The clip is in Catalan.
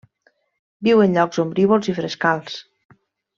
Viu en llocs ombrívols i frescals.